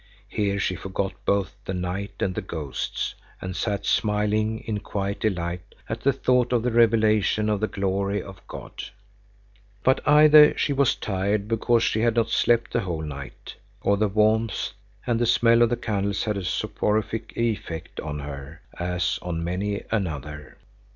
Here she forgot both the knight and the ghosts, and sat smiling in quiet delight at the thought of the revelation of the glory of God. But either she was tired because she had not slept the whole night, or the warmth and the closeness and the smell of the candles had a soporific effect on her as on many another.